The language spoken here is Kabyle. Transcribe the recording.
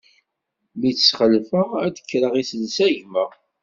Mi tt-sɣefleɣ ad d-akreɣ iselsa i gma.